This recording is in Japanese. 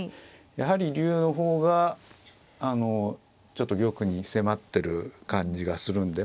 やはり竜の方がちょっと玉に迫ってる感じがするんで。